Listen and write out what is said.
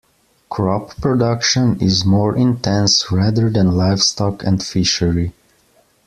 Crop production is more intense rather than livestock and fishery.